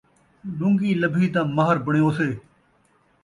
لن٘ڳی لبھی تاں مہر ٻݨیسوسے